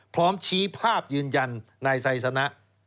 พร้อมชี้ภาพยืนยันนายไซสนะ